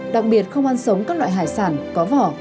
đặc biệt không ăn sống các loại hải sản có vỏ